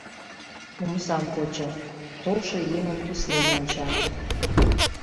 Омсам почо, толшо еҥым тӱслен онча.